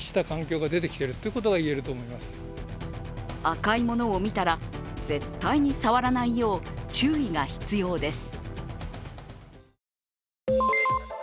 赤いものを見たら、絶対に触らないよう注意が必要です。